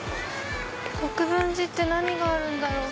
国分寺って何があるんだろう？